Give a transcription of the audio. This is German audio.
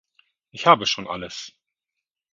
Ich habe schon alles.